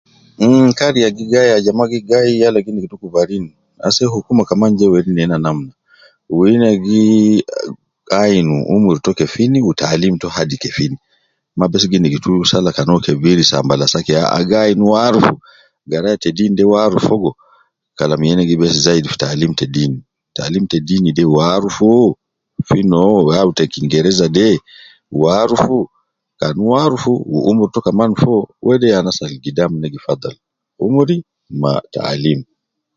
Mmh, kariya gi gayi, ajama gi gayi, yala gi nigitu kubarin ,asde hukuma kaman ja weri nena namna, wu ina gii ainu umur to kefin, wu taalim to hadi kefin, mma bes gi nigitu sala kan uwo kebir sambala saki, aah ah ,gi ainu uwo arufu, garaya te deen de uwo arufu fogo, kalam yena gi base zaidi fi taalim te deeni, taalim te deeni de uwo arufu fi noo, au ab te kingereza de, uwo arufu, kan uwo arufu ,wu umur to kaman foo, wede ya anas ab gidam ne gi fadhal umri ma taalim.